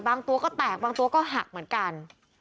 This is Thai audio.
ตัวก็แตกบางตัวก็หักเหมือนกัน